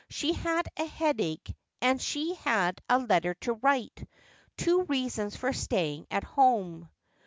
She had a headache, and she had a. letter to write — two reasons for staying at home.